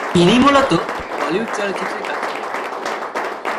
তিনি মূলত বলিউড চলচ্চিত্রে কাজ করে থাকেন।